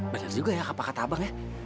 banyak juga ya kata kata bang ya